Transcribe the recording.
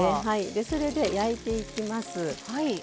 それで焼いていきます。